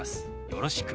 「よろしく」。